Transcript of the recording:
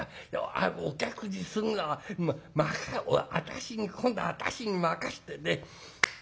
お客にするのはまか私に今度は私に任してね。